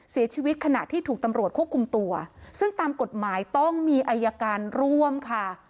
ขณะที่ถูกตำรวจควบคุมตัวซึ่งตามกฎหมายต้องมีอายการร่วมค่ะ